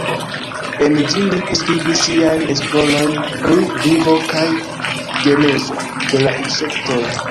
En ĝi li priskribis siajn esplorojn pri vivo kaj genezo de la insektoj.